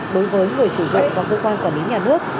đối với người sử dụng và cơ quan quản lý nhà nước